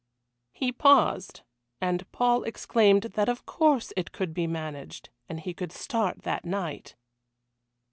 He paused, and Paul exclaimed that of course it could be managed, and he could start that night.